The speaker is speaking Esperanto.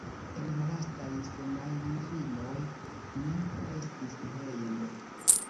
En la lastaj semajnfinoj, mi restis hejme.